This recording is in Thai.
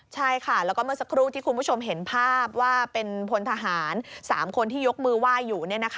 ใช่ค่ะแล้วก็เมื่อสักครู่ที่คุณผู้ชมเห็นภาพว่าเป็นพลทหาร๓คนที่ยกมือไหว้อยู่